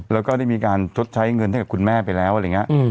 แล้วก็ได้มีการชดใช้เงินให้กับคุณแม่ไปแล้วอะไรอย่างนี้